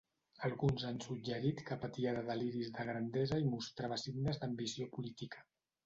Alguns han suggerit que patia de deliris de grandesa i mostrava signes d'ambició política.